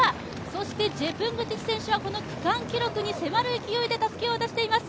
そしてジェプングティチ選手はこの区間記録に迫る勢いでたすきを渡しています。